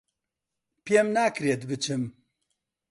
پێم ناکرێت بچم